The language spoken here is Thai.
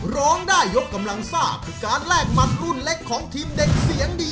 ร้องได้ยกกำลังซ่าคือการแลกหมัดรุ่นเล็กของทีมเด็กเสียงดี